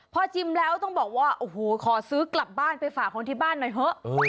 พอชิมแล้วต้องบอกว่าโอ้โหขอซื้อกลับบ้านไปฝากคนที่บ้านหน่อยเถอะ